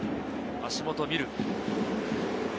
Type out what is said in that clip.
足元を見る。